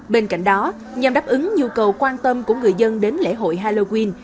bên cạnh đó nhằm đáp ứng nhu cầu quan tâm của người dân đến lễ hội halloween